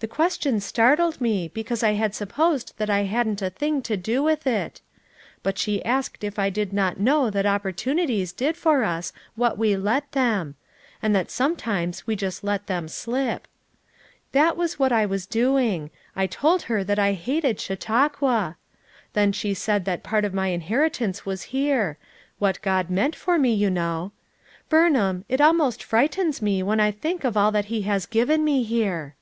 The question startled me because I had supposed that I hadn't a thing to do with it; but she asked if I did not know that opportuni ties did for us what we let them ; and that some times we just let them slip. That was what I was doing; I told her that I hated Chautauqua! Then she said that part of my inheritance was here; what God meant for me, you know. Burnham, it almost frightens me when I think of all that he has given me, here."